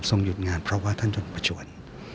หยุดงานเพราะว่าท่านจงประชวน